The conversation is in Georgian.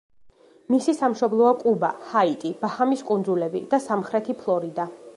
მისი სამშობლოა კუბა, ჰაიტი, ბაჰამის კუნძულები და სამხრეთი ფლორიდა.